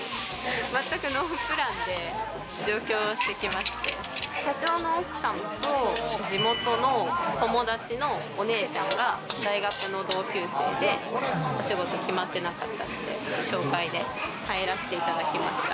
全くノープランで上京して来まして、社長の奥さんと地元の友達のお姉ちゃんが大学の同級生でお仕事決まってなかったので紹介で入らせていただきました。